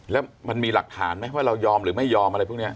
แล้วมันมีหลักฐานไหมว่าเรายอมหรือไม่ยอมอะไรพวกนี้